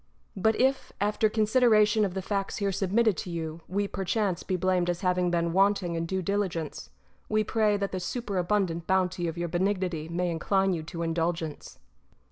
But if, after consideration of the facts here submitted to you, we perchance be blamed as having been wanting in due diligence, we pray that the superabundant bounty of your Benignity may incline you to indulgence.